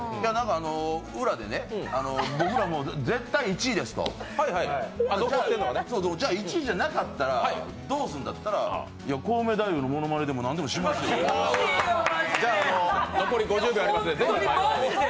裏でね、僕ら、絶対１位ですと。じゃあ、１位じゃなかったらどうするんだといったら、コウメ太夫のものまねでも何でもしますよって。